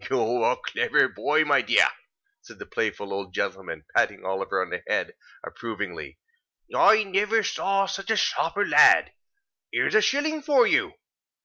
"You're a clever boy, my dear," said the playful old gentleman, patting Oliver on the head approvingly. "I never saw a sharper lad. Here's a shilling for you.